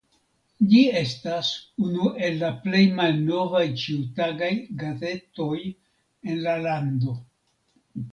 Ĝi estas unu el la plej malnovaj ĉiutagaj gazetoj en la lando.